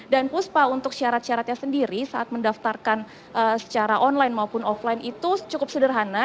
puspa untuk syarat syaratnya sendiri saat mendaftarkan secara online maupun offline itu cukup sederhana